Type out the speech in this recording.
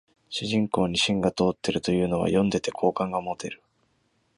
主人公に芯が通ってるというのは読んでて好感が持てる